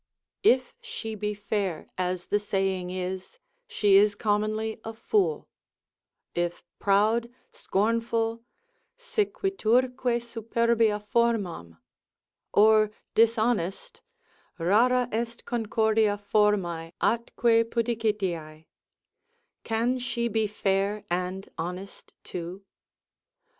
If she be fair, as the saying is, she is commonly a fool: if proud, scornful, sequiturque superbia formam, or dishonest, rara est concordia formae, atque pudicitiae, can she be fair and honest too?